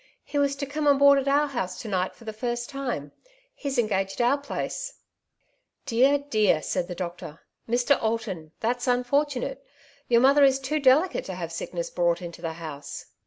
He was to come and board at our house to night for the first time ; he's engaged our place/' "Dear, dear !" said the doctor. "Mr. Alton, that's unfortunate. Your mother is too delicate to have sickness brought into the house."